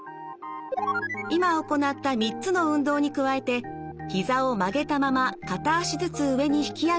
今行った３つの運動に加えてひざを曲げたまま片脚ずつ上に引き上げる運動です。